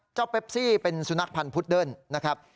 เปปซี่เป็นสุนัขพันธ์พุดเดิ้ลนะครับ